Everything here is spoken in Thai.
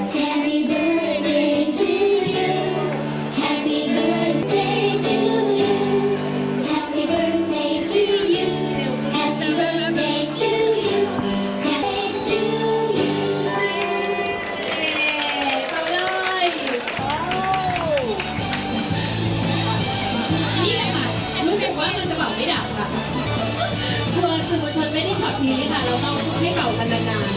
คือมันชนไม่ได้ชอบนี้นะคะแล้วก็ไม่เบากันนาน